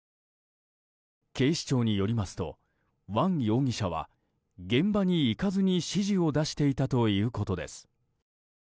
警視庁によりますとワン容疑者は現場に行かずに指示を出していたということです。